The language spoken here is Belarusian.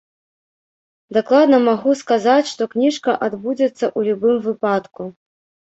Дакладна магу сказаць, што кніжка адбудзецца ў любым выпадку.